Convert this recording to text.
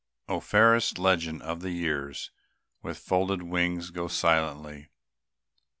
O fairest legend of the years, With folded wings, go, silently!